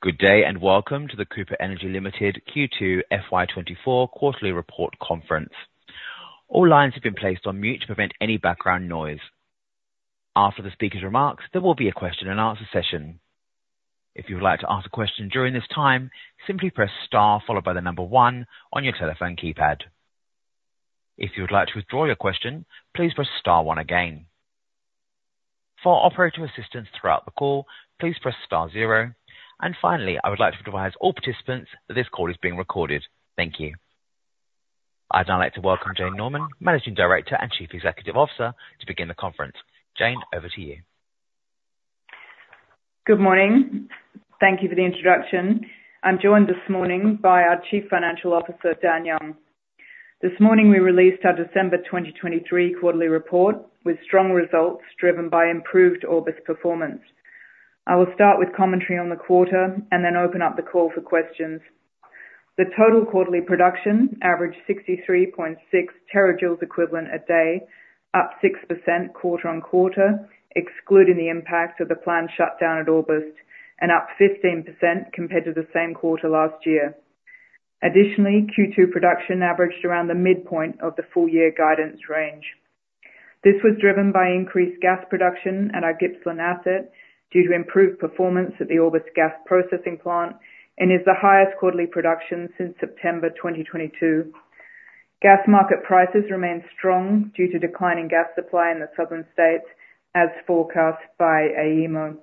Good day, and welcome to the Cooper Energy Limited Q2 FY24 quarterly report conference. All lines have been placed on mute to prevent any background noise. After the speaker's remarks, there will be a question and answer session. If you would like to ask a question during this time, simply press star followed by the number one on your telephone keypad. If you would like to withdraw your question, please press star one again. For operator assistance throughout the call, please press star zero, and finally, I would like to advise all participants that this call is being recorded. Thank you. I'd now like to welcome Jane Norman, Managing Director and Chief Executive Officer, to begin the conference. Jane, over to you. Good morning. Thank you for the introduction. I'm joined this morning by our Chief Financial Officer, Dan Young. This morning, we released our December 2023 quarterly report with strong results driven by improved Orbost performance. I will start with commentary on the quarter and then open up the call for questions. The total quarterly production averaged 63.6 terajoules equivalent a day, up 6% quarter-on-quarter, excluding the impact of the planned shutdown at Orbost, and up 15% compared to the same quarter last year. Additionally, Q2 production averaged around the midpoint of the full year guidance range. This was driven by increased gas production at our Gippsland asset due to improved performance at the Orbost Gas Processing Plant and is the highest quarterly production since September 2022. Gas market prices remained strong due to declining gas supply in the southern states, as forecast by AEMO.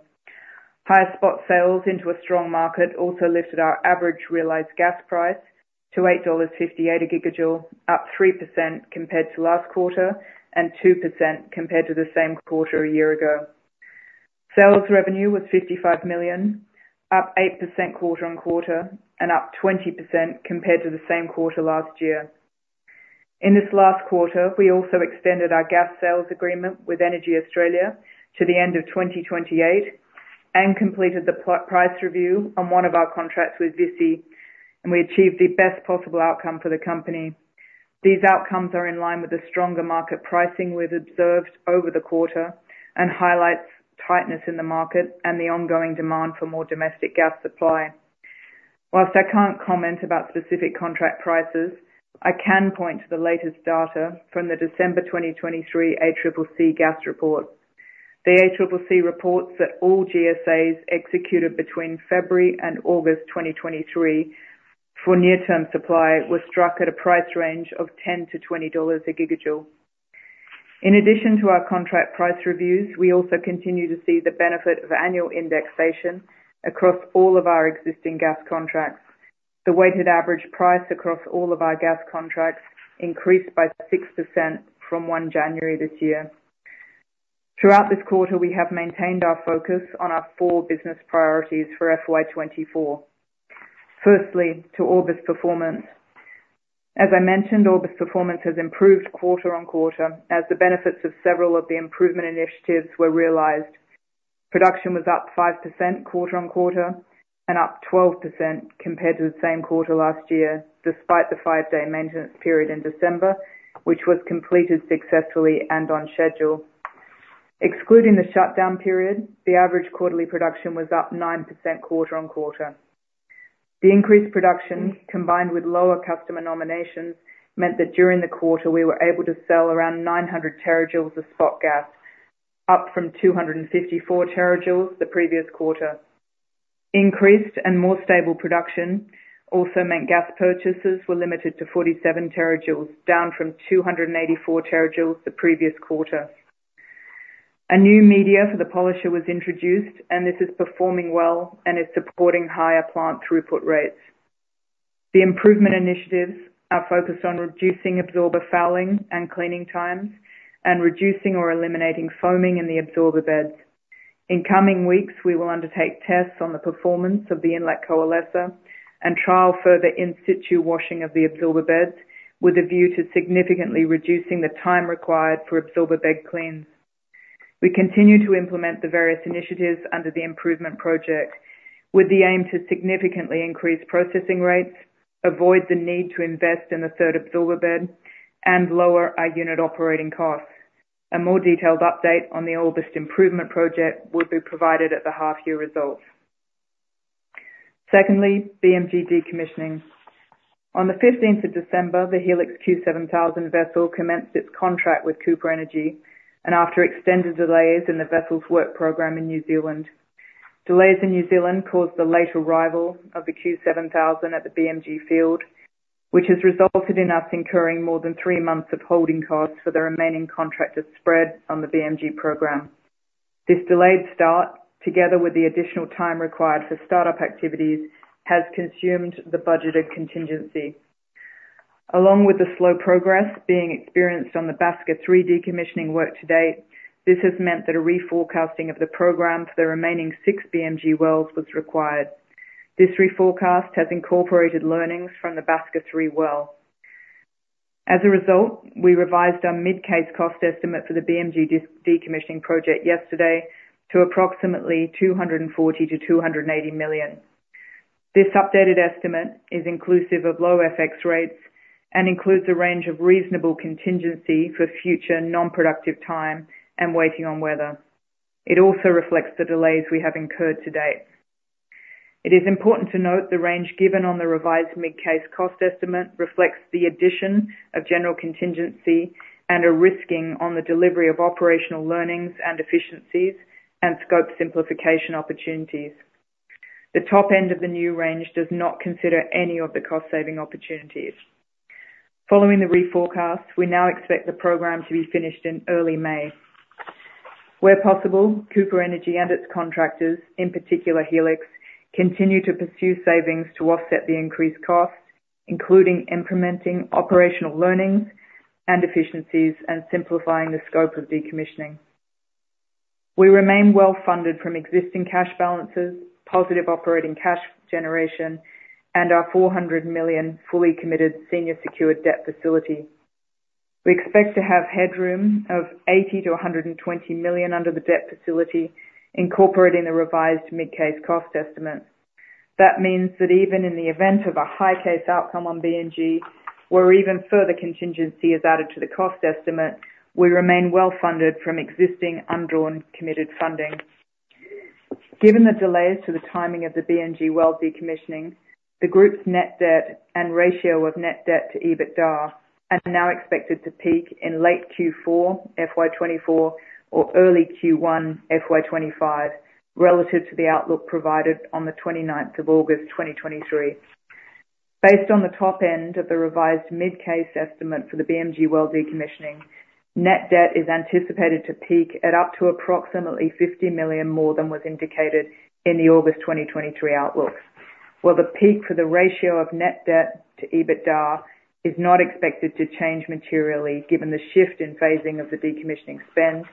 Higher spot sales into a strong market also lifted our average realized gas price to 8.58 dollars a gigajoule, up 3% compared to last quarter and 2% compared to the same quarter a year ago. Sales revenue was 55 million, up 8% quarter-on-quarter and up 20% compared to the same quarter last year. In this last quarter, we also extended our gas sales agreement with EnergyAustralia to the end of 2028 and completed the price review on one of our contracts with Visy, and we achieved the best possible outcome for the company. These outcomes are in line with the stronger market pricing we've observed over the quarter and highlights tightness in the market and the ongoing demand for more domestic gas supply. While I can't comment about specific contract prices, I can point to the latest data from the December 2023 ACCC gas report. The ACCC reports that all GSAs executed between February and August 2023 for near-term supply were struck at a price range of 10-20 dollars a gigajoule. In addition to our contract price reviews, we also continue to see the benefit of annual indexation across all of our existing gas contracts. The weighted average price across all of our gas contracts increased by 6% from 1 January this year. Throughout this quarter, we have maintained our focus on our four business priorities for FY 2024. Firstly, to Orbost performance. As I mentioned, Orbost performance has improved quarter-on-quarter as the benefits of several of the improvement initiatives were realized. Production was up 5% quarter-on-quarter and up 12% compared to the same quarter last year, despite the 5-day maintenance period in December, which was completed successfully and on schedule. Excluding the shutdown period, the average quarterly production was up 9% quarter-on-quarter. The increased production, combined with lower customer nominations, meant that during the quarter we were able to sell around 900 terajoules of spot gas, up from 254 terajoules the previous quarter. Increased and more stable production also meant gas purchases were limited to 47 terajoules, down from 284 terajoules the previous quarter. A new media for the polisher was introduced, and this is performing well and is supporting higher plant throughput rates. The improvement initiatives are focused on reducing absorber fouling and cleaning times and reducing or eliminating foaming in the absorber beds. In coming weeks, we will undertake tests on the performance of the inlet coalescer and trial further in-situ washing of the absorber beds, with a view to significantly reducing the time required for absorber bed cleans. We continue to implement the various initiatives under the improvement project, with the aim to significantly increase processing rates, avoid the need to invest in a third absorber bed, and lower our unit operating costs. A more detailed update on the Orbost Improvement project will be provided at the half-year results. Secondly, BMG decommissioning. On the fifteenth of December, the Helix Q7000 vessel commenced its contract with Cooper Energy and after extended delays in the vessel's work program in New Zealand. Delays in New Zealand caused the late arrival of the Q7000 at the BMG field, which has resulted in us incurring more than three months of holding costs for the remaining contracted spread on the BMG program. This delayed start, together with the additional time required for start-up activities, has consumed the budgeted contingency. Along with the slow progress being experienced on the Basker-3 decommissioning work to date, this has meant that a reforecasting of the program for the remaining six BMG wells was required. This reforecast has incorporated learnings from the Basker-3 well. As a result, we revised our mid-case cost estimate for the BMG decommissioning project yesterday to approximately 240 million-280 million. This updated estimate is inclusive of low FX rates and includes a range of reasonable contingency for future non-productive time and waiting on weather. It also reflects the delays we have incurred to date. It is important to note the range given on the revised mid-case cost estimate reflects the addition of general contingency and a risking on the delivery of operational learnings and efficiencies and scope simplification opportunities. The top end of the new range does not consider any of the cost-saving opportunities. Following the reforecast, we now expect the program to be finished in early May. Where possible, Cooper Energy and its contractors, in particular, Helix, continue to pursue savings to offset the increased costs, including implementing operational learnings and efficiencies and simplifying the scope of decommissioning. We remain well-funded from existing cash balances, positive operating cash generation, and our 400 million fully committed senior secured debt facility. We expect to have headroom of 80-120 million under the debt facility, incorporating a revised mid-case cost estimate. That means that even in the event of a high case outcome on BMG, where even further contingency is added to the cost estimate, we remain well-funded from existing undrawn committed funding. Given the delays to the timing of the BMG well decommissioning, the group's net debt and ratio of net debt to EBITDA are now expected to peak in late Q4 FY24 or early Q1 FY25 relative to the outlook provided on the 29th of August 2023. Based on the top end of the revised mid-case estimate for the BMG well decommissioning, net debt is anticipated to peak at up to approximately $50 million, more than was indicated in the August 2023 outlook. While the peak for the ratio of net debt to EBITDA is not expected to change materially, given the shift in phasing of the decommissioning spend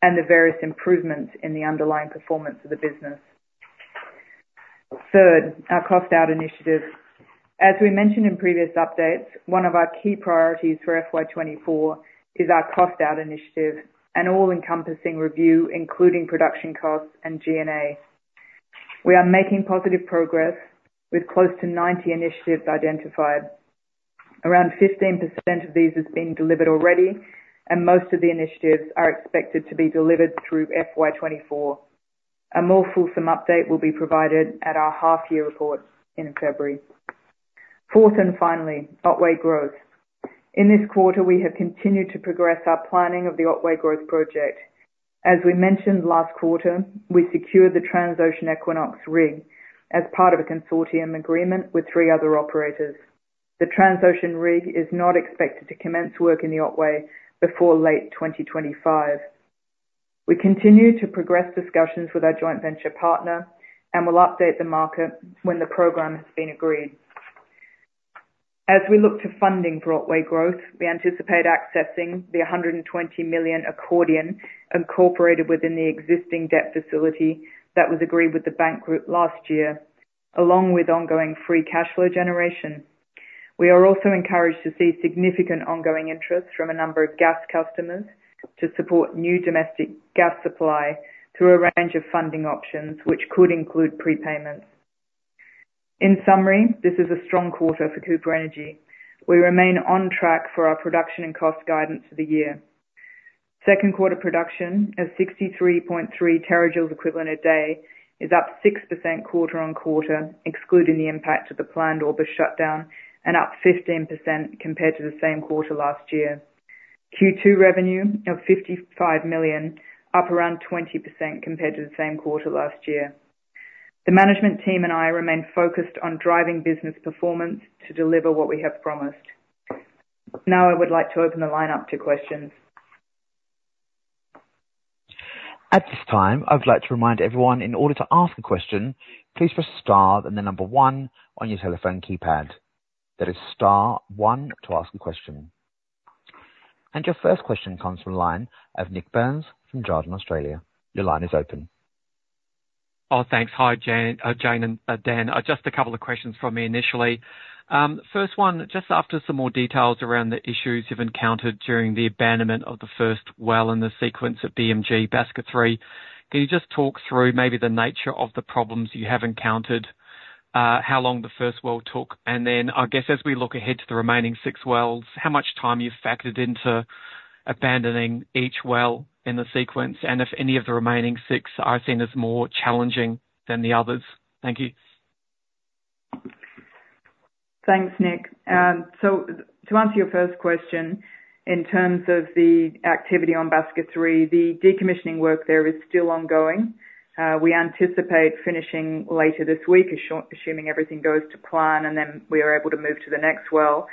and the various improvements in the underlying performance of the business. Third, our cost out initiative. As we mentioned in previous updates, one of our key priorities for FY 2024 is our cost out initiative, an all-encompassing review, including production costs and G&A. We are making positive progress with close to 90 initiatives identified. Around 15% of these has been delivered already, and most of the initiatives are expected to be delivered through FY 2024. A more fulsome update will be provided at our half-year report in February. Fourth, and finally, Otway Growth. In this quarter, we have continued to progress our planning of the Otway Growth Project. As we mentioned last quarter, we secured the Transocean Equinox rig as part of a consortium agreement with three other operators. The Transocean rig is not expected to commence work in the Otway before late 2025. We continue to progress discussions with our joint venture partner, and we'll update the market when the program has been agreed. As we look to funding for Otway growth, we anticipate accessing the 120 million accordion incorporated within the existing debt facility that was agreed with the bank group last year, along with ongoing free cash flow generation. We are also encouraged to see significant ongoing interest from a number of gas customers to support new domestic gas supply through a range of funding options, which could include prepayments. In summary, this is a strong quarter for Cooper Energy. We remain on track for our production and cost guidance for the year. Second quarter production of 63.3 terajoules equivalent a day, is up 6% quarter-on-quarter, excluding the impact of the planned Orbost shutdown, and up 15% compared to the same quarter last year. Q2 revenue of 55 million, up around 20% compared to the same quarter last year. The management team and I remain focused on driving business performance to deliver what we have promised. Now, I would like to open the line up to questions. At this time, I would like to remind everyone, in order to ask a question, please press star, then the number 1 on your telephone keypad. That is star 1 to ask a question. And your first question comes from the line of Nik Burns from Jarden, Australia. Your line is open. Oh, thanks. Hi, Jane and Dan. Just a couple of questions from me initially. First one, just after some more details around the issues you've encountered during the abandonment of the first well in the sequence of BMG Basker-3, can you just talk through maybe the nature of the problems you have encountered, how long the first well took? And then, I guess, as we look ahead to the remaining six wells, how much time you've factored into abandoning each well in the sequence, and if any of the remaining six are seen as more challenging than the others? Thank you. Thanks, Nick. So to answer your first question, in terms of the activity on Basker-3, the decommissioning work there is still ongoing. We anticipate finishing later this week, assuming everything goes to plan, and then we are able to move to the next well.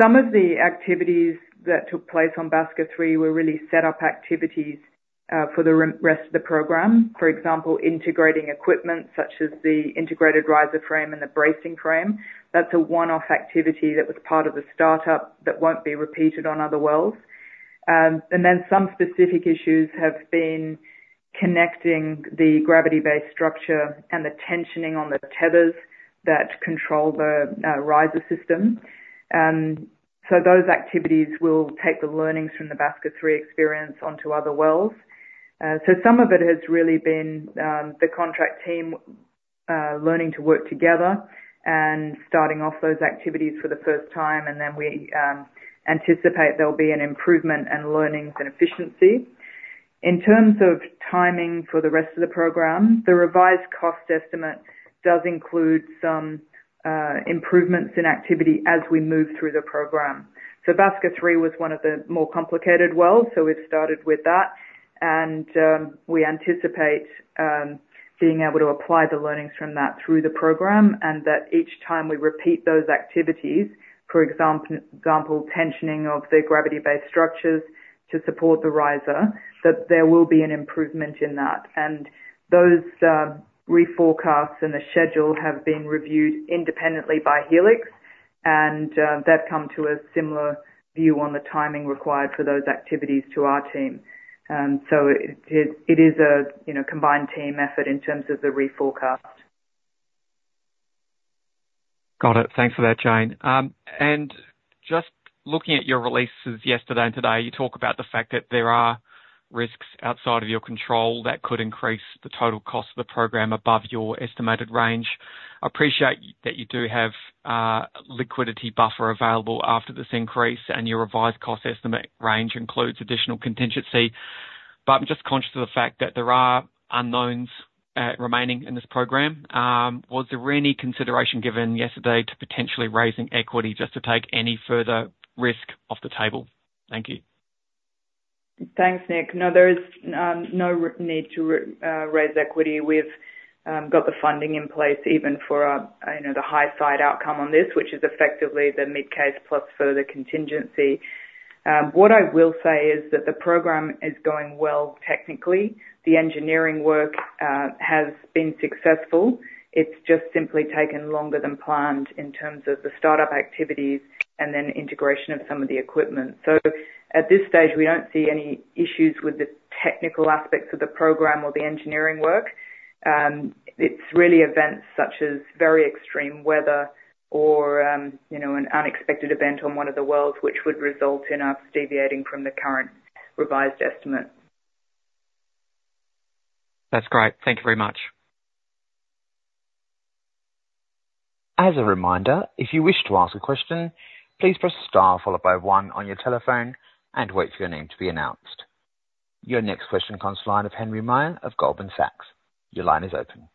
Some of the activities that took place on Basker-3 were really set up activities, for the rest of the program. For example, integrating equipment such as the integrated riser frame and the bracing frame. That's a one-off activity that was part of the startup that won't be repeated on other wells. And then some specific issues have been connecting the gravity-based structure and the tensioning on the tethers, that control the riser system. And so those activities will take the learnings from the Basker-3 experience onto other wells. So some of it has really been the contract team learning to work together and starting off those activities for the first time, and then we anticipate there'll be an improvement and learnings and efficiency. In terms of timing for the rest of the program, the revised cost estimate does include some improvements in activity as we move through the program. So Basker-3 was one of the more complicated wells, so we've started with that. And we anticipate being able to apply the learnings from that through the program, and that each time we repeat those activities, for example, tensioning of the gravity-based structures to support the riser, that there will be an improvement in that. Those reforecasts and the schedule have been reviewed independently by Helix, and they've come to a similar view on the timing required for those activities to our team. So it is a, you know, combined team effort in terms of the reforecast. Got it. Thanks for that, Jane. Just looking at your releases yesterday and today, you talk about the fact that there are risks outside of your control that could increase the total cost of the program above your estimated range. I appreciate that you do have liquidity buffer available after this increase, and your revised cost estimate range includes additional contingency. I'm just conscious of the fact that there are unknowns remaining in this program. Was there any consideration given yesterday to potentially raising equity, just to take any further risk off the table? Thank you. Thanks, Nick. No, there is no need to raise equity. We've got the funding in place, even for, you know, the high side outcome on this, which is effectively the mid case plus further contingency. What I will say is that the program is going well technically. The engineering work has been successful. It's just simply taken longer than planned in terms of the startup activities and then integration of some of the equipment. So at this stage, we don't see any issues with the technical aspects of the program or the engineering work. It's really events such as very extreme weather or, you know, an unexpected event on one of the wells, which would result in us deviating from the current revised estimate. That's great. Thank you very much. As a reminder, if you wish to ask a question, please press star followed by one on your telephone and wait for your name to be announced. Your next question comes to the line of Henry Meyer of Goldman Sachs. Your line is open.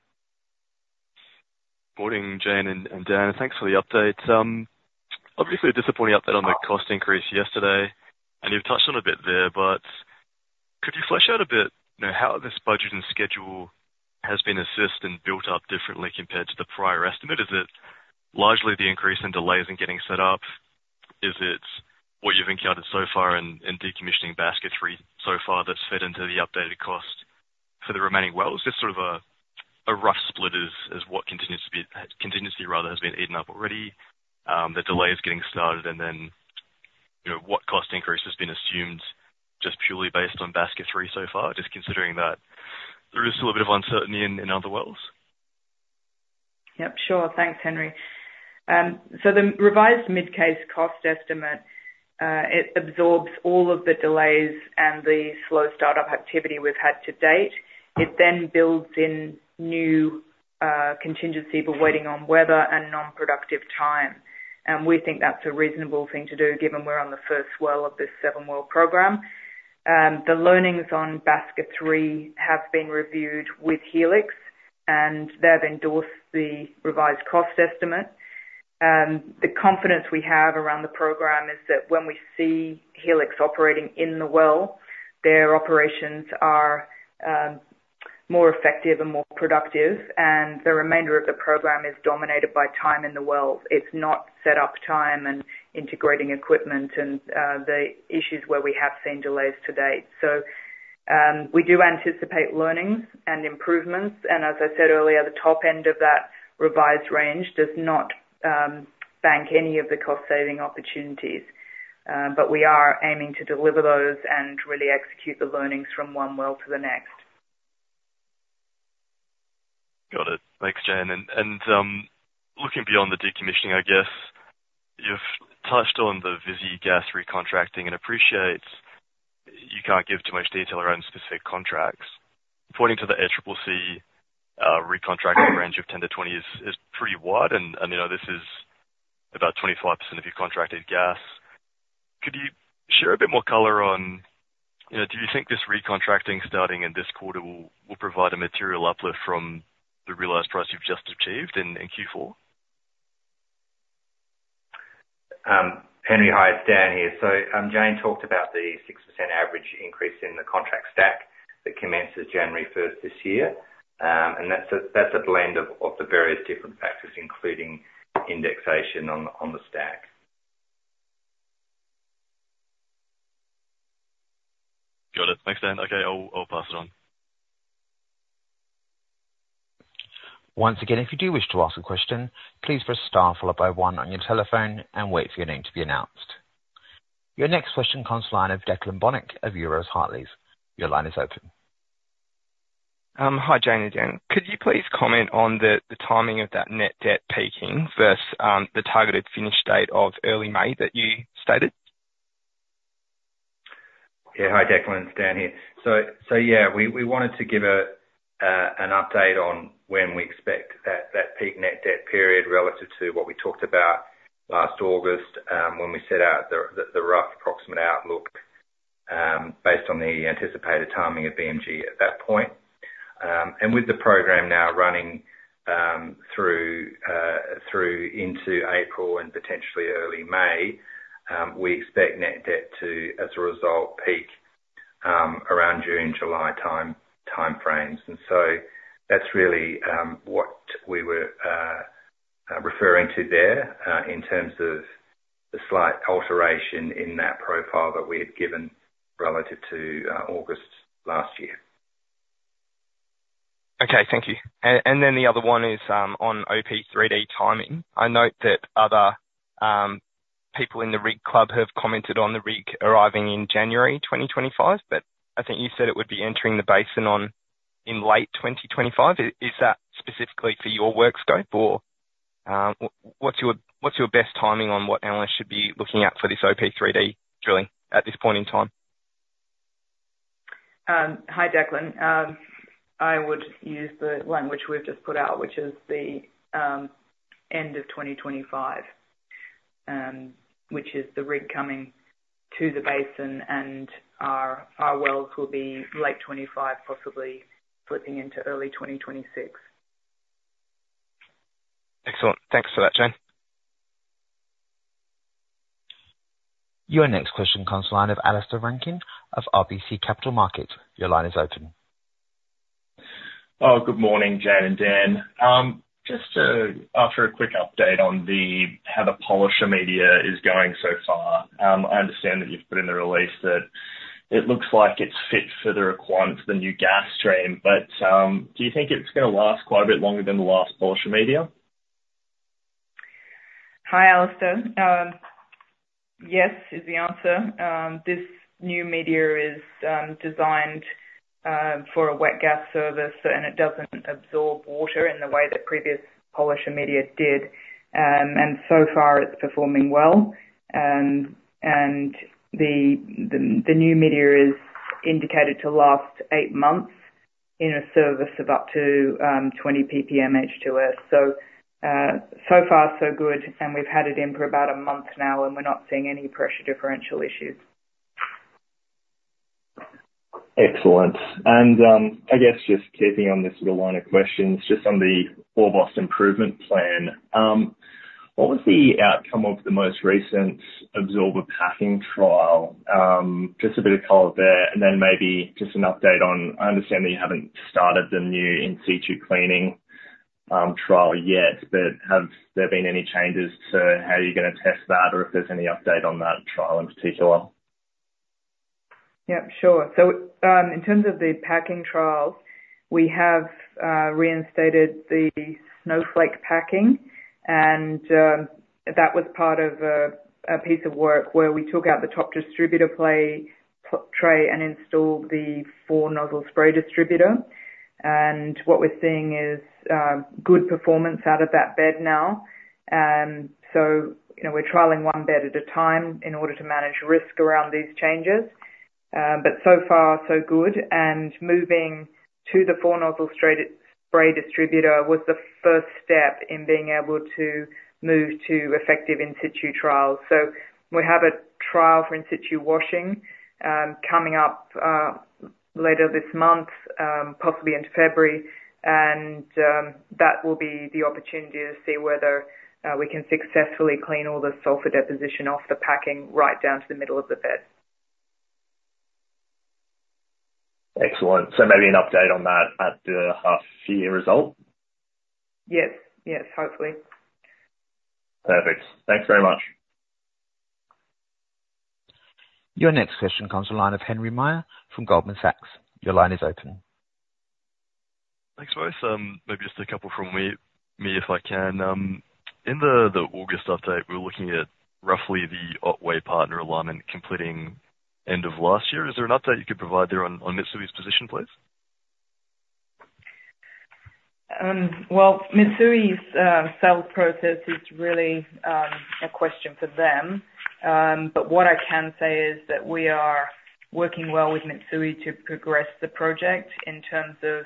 Morning, Jane and Dan. Thanks for the update. Obviously a disappointing update on the cost increase yesterday, and you've touched on a bit there, but could you flesh out a bit, you know, how this budget and schedule has been assessed and built up differently compared to the prior estimate? Is it largely the increase in delays in getting set up? Is it what you've encountered so far in decommissioning Basker-3 so far, that's fed into the updated cost for the remaining wells? Just sort of a rough split as what continues to be contingency rather has been eaten up already, the delays getting started, and then, you know, what cost increase has been assumed just purely based on Basker-3 so far, just considering that there is still a bit of uncertainty in other wells. Yep, sure. Thanks, Henry. The revised mid-case cost estimate absorbs all of the delays and the slow startup activity we've had to date. It then builds in new contingency for waiting on weather and non-productive time. We think that's a reasonable thing to do, given we're on the first well of this seven-well program. The learnings on Basker-3 have been reviewed with Helix, and they've endorsed the revised cost estimate. The confidence we have around the program is that when we see Helix operating in the well, their operations are more effective and more productive, and the remainder of the program is dominated by time in the wells. It's not set-up time and integrating equipment and the issues where we have seen delays to date. So, we do anticipate learnings and improvements, and as I said earlier, the top end of that revised range does not bank any of the cost-saving opportunities. But we are aiming to deliver those and really execute the learnings from one well to the next. Got it. Thanks, Jane. Looking beyond the decommissioning, I guess, you've touched on the Visy gas recontracting and appreciate you can't give too much detail around specific contracts. Pointing to the ACCC recontracting range of 10-20 is pretty wide, and you know, this is about 25% of your contracted gas. Could you share a bit more color on, you know, do you think this recontracting starting in this quarter will provide a material uplift from the realized price you've just achieved in Q4? Henry, hi, it's Dan here. So, Jane talked about the 6% average increase in the contract stack that commences January first this year. And that's a, that's a blend of, of the various different factors, including indexation on the, on the stack. Got it. Thanks, Dan. Okay, I'll pass it on. Once again, if you do wish to ask a question, please press star followed by one on your telephone and wait for your name to be announced... Your next question comes the line of Declan Bonnick of Euroz Hartleys. Your line is open. Hi, Jane, again. Could you please comment on the timing of that net debt peaking versus the targeted finish date of early May that you stated? Yeah. Hi, Declan, it's Dan here. So yeah, we wanted to give an update on when we expect that peak net debt period relative to what we talked about last August, when we set out the rough approximate outlook, based on the anticipated timing of BMG at that point. And with the program now running through into April and potentially early May, we expect net debt to, as a result, peak around June, July timeframes. And so that's really what we were referring to there in terms of the slight alteration in that profile that we had given relative to August last year. Okay. Thank you. And then the other one is on OP3D timing. I note that other people in the rig club have commented on the rig arriving in January 2025, but I think you said it would be entering the basin on, in late 2025. Is that specifically for your work scope? Or what's your best timing on what analysts should be looking at for this OP3D drilling at this point in time? Hi, Declan. I would use the one which we've just put out, which is the end of 2025, which is the rig coming to the basin, and our wells will be late 2025, possibly flipping into early 2026. Excellent. Thanks for that, Jane. Your next question comes from the line of Alistair Rankin of RBC Capital Markets. Your line is open. Oh, good morning, Jane and Dan. Just to ask for a quick update on how the polisher media is going so far. I understand that you've put in the release that it looks like it's fit for the requirements for the new gas stream, but do you think it's gonna last quite a bit longer than the last polisher media? Hi, Alistair. Yes, is the answer. This new media is designed for a wet gas service, and it doesn't absorb water in the way that previous polisher media did. So far it's performing well. The new media is indicated to last 8 months in a service of up to 20 ppm H2S. So, so far so good, and we've had it in for about a month now, and we're not seeing any pressure differential issues. Excellent. And, I guess, just keeping on this sort of line of questions, just on the Orbost improvement plan, what was the outcome of the most recent absorber packing trial? Just a bit of color there, and then maybe just an update on... I understand that you haven't started the new in-situ cleaning trial yet, but have there been any changes to how you're gonna test that, or if there's any update on that trial in particular? Yeah, sure. So, in terms of the packing trials, we have reinstated the Snowflake packing, and that was part of a piece of work where we took out the top distributor plate tray and installed the four-nozzle spray distributor. And what we're seeing is good performance out of that bed now. So, you know, we're trialing one bed at a time in order to manage risk around these changes. But so far, so good. And moving to the four-nozzle straight-spray distributor was the first step in being able to move to effective in-situ trials. We have a trial for in-situ washing coming up later this month, possibly into February, and that will be the opportunity to see whether we can successfully clean all the sulfur deposition off the packing, right down to the middle of the bed. Excellent. So maybe an update on that at the half year result? Yes. Yes, hopefully. Perfect. Thanks very much. Your next question comes from the line of Henry Meyer from Goldman Sachs. Your line is open. Thanks, guys. Maybe just a couple from me, if I can. In the August update, we were looking at roughly the Otway partner alignment completing end of last year. Is there an update you could provide there on Mitsui's position, please? Well, Mitsui's sale process is really a question for them. But what I can say is that we are working well with Mitsui to progress the project in terms of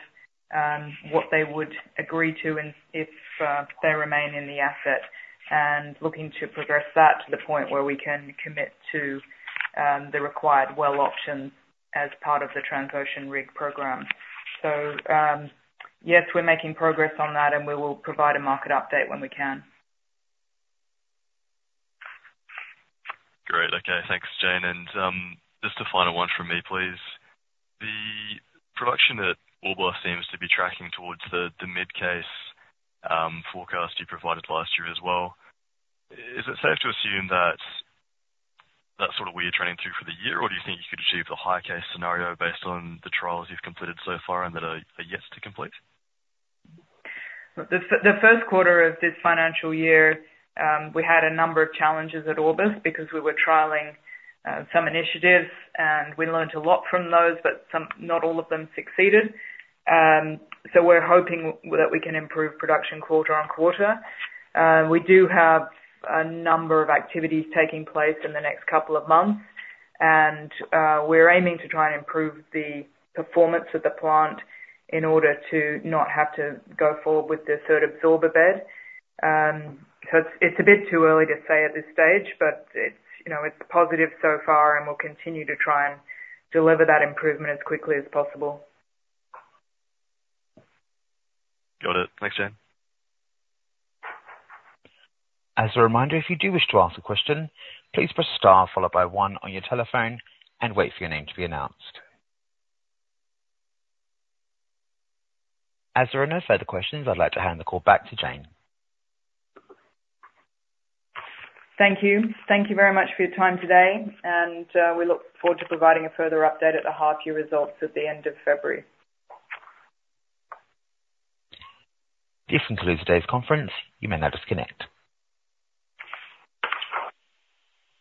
what they would agree to and if they remain in the asset, and looking to progress that to the point where we can commit to the required well options as part of the Transocean rig program. So, yes, we're making progress on that, and we will provide a market update when we can. Great. Okay. Thanks, Jane. And just a final one from me, please. The production at Orbost seems to be tracking towards the mid-case forecast you provided last year as well. Is it safe to assume that that's sort of where you're trending through for the year, or do you think you could achieve the high-case scenario based on the trials you've completed so far and that are yet to complete? The first quarter of this financial year, we had a number of challenges at Orbost because we were trialing some initiatives, and we learned a lot from those, but some not all of them succeeded. So we're hoping that we can improve production quarter on quarter. We do have a number of activities taking place in the next couple of months, and we're aiming to try and improve the performance of the plant in order to not have to go forward with the third absorber bed. So it's a bit too early to say at this stage, but it's, you know, it's positive so far and we'll continue to try and deliver that improvement as quickly as possible. Got it. Thanks, Jane. As a reminder, if you do wish to ask a question, please press star followed by 1 on your telephone and wait for your name to be announced. As there are no further questions, I'd like to hand the call back to Jane. Thank you. Thank you very much for your time today, and we look forward to providing a further update at the half year results at the end of February. This concludes today's conference. You may now disconnect.